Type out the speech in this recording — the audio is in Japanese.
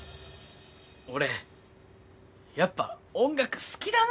俺やっぱ音楽好きだなあって。